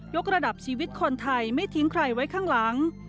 กระดับชีวิตคนไทยไม่ทิ้งใครไว้ข้างหลัง